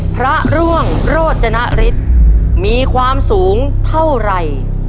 พระร่วงโรจนฤทธิ์มีความสูงเท่าไหร่